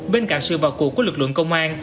bên cạnh sự vào cuộc của lực lượng công an